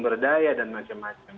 pembedaian dan macam macam